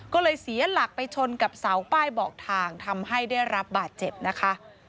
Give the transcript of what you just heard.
ก็เลยเสียหลักไปชนกับเสาป้ายบอกทางทำให้ได้รับบาดเจ็บนะคะ